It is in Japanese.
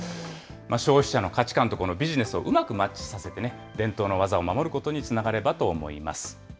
消費者の価値観とこのビジネスをうまくマッチさせて、伝統の技を守ることにつながればと思います。